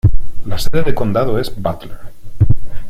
La sede de condado es Butler.